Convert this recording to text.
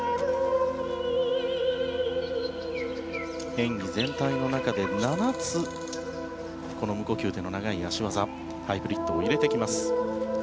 演技全体の中で７つ無呼吸での長い脚技ハイブリッドを入れてきます。